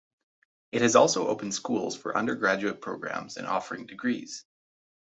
It has also opened schools for under graduate programs and offering degrees.